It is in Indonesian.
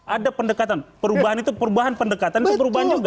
ada pendekatan perubahan itu perubahan pendekatan itu perubahan juga